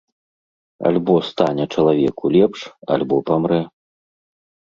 Альбо стане чалавеку лепш, альбо памрэ.